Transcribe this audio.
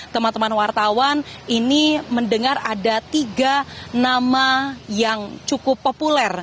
teman teman wartawan ini mendengar ada tiga nama yang cukup populer